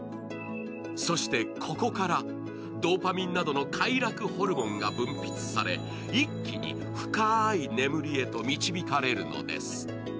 そして、ここからドーパミンなどの快楽ホルモンが分泌され、一気に深い眠りへと導かれるのです。